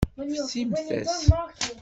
Melmi ara ad temmektim?